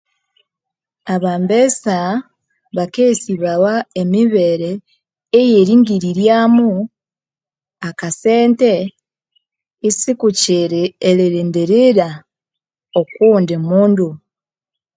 Abambesa bakaghesibawa emibere eyeringiriryamu aka sente isikukyiri erilindirira oko ghundi mundu